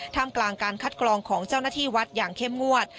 กลางการคัดกรองของเจ้าหน้าที่วัดอย่างเข้มงวด